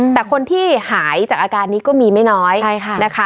แต่คนที่หายจากอาการนี้ก็มีไม่น้อยนะคะ